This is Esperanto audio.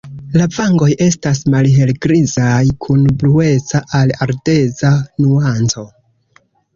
La vangoj estas malhelgrizaj kun blueca al ardeza nuanco.